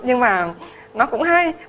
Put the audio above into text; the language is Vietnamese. nhưng mà nó cũng hay